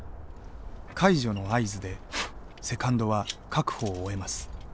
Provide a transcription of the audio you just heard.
「解除」の合図でセカンドは確保を終えます。